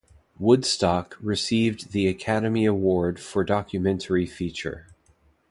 "Woodstock" received the Academy Award for Documentary Feature.